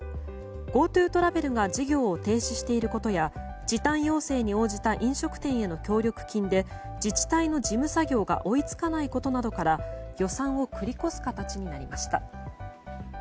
ＧｏＴｏトラベルが事業を停止していることや時短要請に応じた飲食店への協力金で自治体の事務作業が追い付かないことなどから予算を繰り越す形になりました。